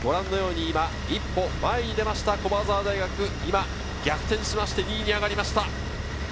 今一歩前に出ました駒澤大学、逆転しまして２位に上がりました。